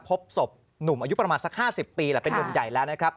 พบศพหนุ่มอายุประมาณสัก๕๐ปีแหละเป็นนุ่มใหญ่แล้วนะครับ